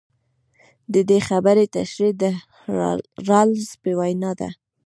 د دې خبرې تشرېح د رالز په وینا ده.